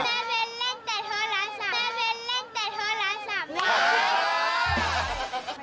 แม่เบ้นเล่นแต่โทรล้าน๓